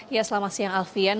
ya selamat siang alfian